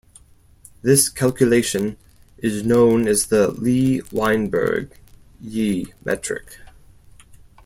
This calculation is known as "Lee-Weinberg-Yi metric"